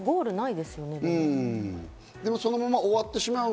でもそのまま終わってしまう。